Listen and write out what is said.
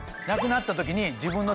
なくなった時に。